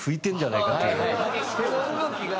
手の動きが？